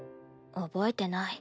覚えてない。